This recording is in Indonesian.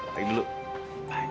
lagi dulu bye